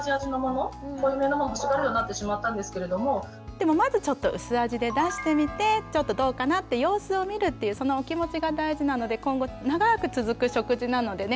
でもまずちょっと薄味で出してみてちょっとどうかなって様子を見るっていうそのお気持ちが大事なので今後長く続く食事なのでね